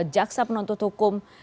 jaksa penuntut hukum